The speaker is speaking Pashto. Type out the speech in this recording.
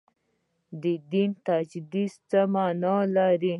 د دین تجدید څه معنا لري.